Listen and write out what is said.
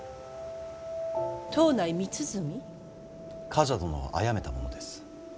冠者殿をあやめた者です。